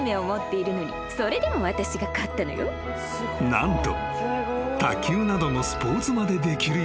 ［何と卓球などのスポーツまでできるように］